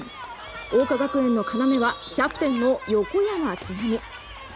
桜花学園の要はキャプテンの横山智那美。